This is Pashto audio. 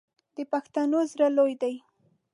د پښتنو زړه لوی دی.